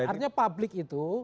artinya publik itu